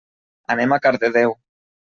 Anem a Cardedeu.